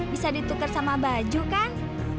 bisa ditukar sama baju kan